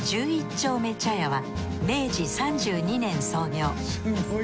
丁目茶屋は明治３２年創業。